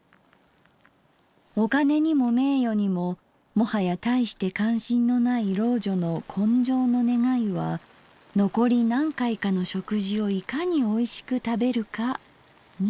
お金にも名誉にももはやたいして関心のない老女の今生の願いは残り何回かの食事をいかにおいしく食べるかにある」。